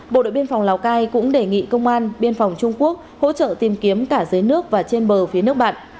bộ đội biên phòng lào cai cũng đề nghị công an biên phòng trung quốc hỗ trợ tìm kiếm cả dưới nước và trên bờ phía nước bạn